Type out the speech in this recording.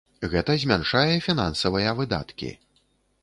Гэта змяншае фінансавыя выдаткі.